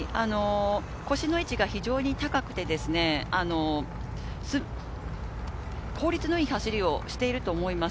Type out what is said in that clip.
腰の位置が非常に高くて、効率のいい走りをしていると思います。